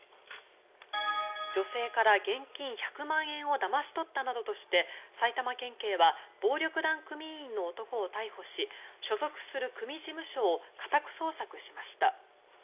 女性から現金１００万円をだまし取ったなどとして埼玉県警は暴力団組員の男を逮捕し所属する組事務所を家宅捜索しました。